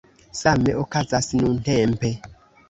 Same okazas nuntempe.